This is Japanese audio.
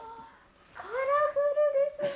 カラフルですね。